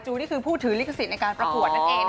นี่คือผู้ถือลิขสิทธิ์ในการประกวดนั่นเอง